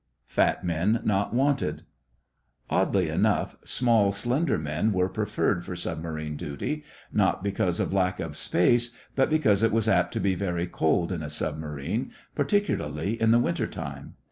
FAT MEN NOT WANTED Oddly enough, small, slender men were preferred for submarine duty, not because of lack of space, but because it was apt to be very cold in a submarine, particularly in the winter time.